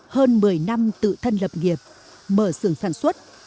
hơn một mươi năm tự thân lập nghiệp mở xưởng sản xuất